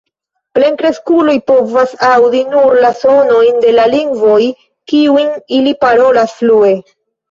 Plenkreskuloj povas aŭdi nur la sonojn de la lingvoj, kiujn ili parolas flue.